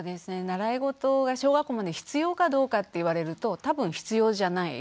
習いごとが小学校までに必要かどうかって言われると多分必要じゃない。